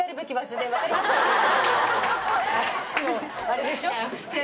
あれでしょ。